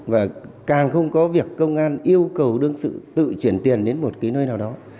và càng không có việc công an yêu cầu đương sự tự truyền tiền đến một nơi nào đó